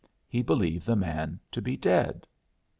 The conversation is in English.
He believed the man to be dead.